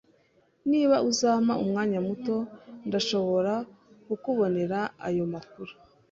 Niba uzampa umwanya muto, ndashobora kukubonera ayo makuru.